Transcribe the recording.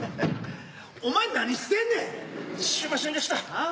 お前何してんねん！